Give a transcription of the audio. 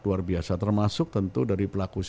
luar biasa termasuk tentu dari pelaku